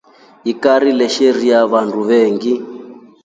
Ikari leshiira vandu veengi.